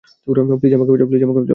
Please আমাকে বাঁচাও।